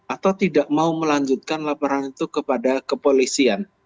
atau tidak mau melanjutkan laporan itu kepada kepolisian